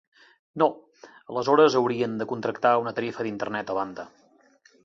No, aleshores haurien de contractar una tarifa d'internet a banda.